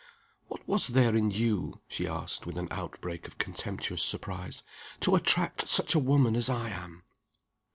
What was there in you," she asked, with an outbreak of contemptuous surprise, "to attract such a woman as I am?"